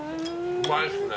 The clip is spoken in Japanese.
うまいっすね。